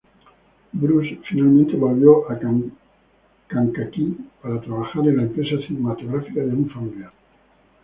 Bruce finalmente volvió a Kankakee para trabajar en la empresa cinematográfica de un familiar.